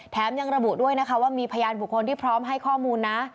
ยังระบุด้วยนะคะว่ามีพยานบุคคลที่พร้อมให้ข้อมูลนะ